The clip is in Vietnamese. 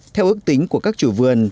theo ước tính của các chủ vườn